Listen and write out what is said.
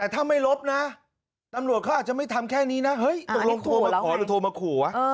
อ๋อทำแค่นี้นะนี่ต้องลงโทรมาขู่วะ